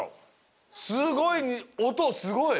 すごい。